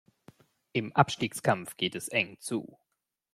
Im Abstiegskampf geht es eng zu.